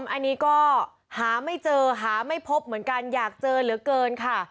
อันนี้ก็หาไม่เจอหาไม่พบเหมือนกันอยากเจอเหลือเกินค่ะ